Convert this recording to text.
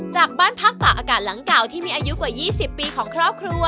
จากบ้านพักตากอากาศหลังเก่าที่มีอายุกว่า๒๐ปีของครอบครัว